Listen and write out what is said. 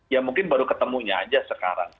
ya mungkin baru ketemunya aja sekarang